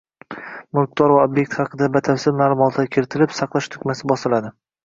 - Mulkdor va ob’ekt haqida batafsil ma’lumotlar kiritilib, saqlash tugmasi bosiladi